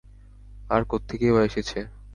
আর কোত্থেকেই বা এসেছে?